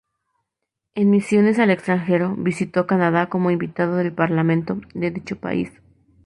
En misiones al extranjero, visitó Canadá como invitado del Parlamento de dicho país.